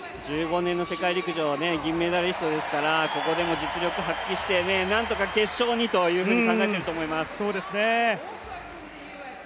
１５年の世界陸上銀メダリストですからここでも実力を発揮して、なんとか決勝にと考えてると思います。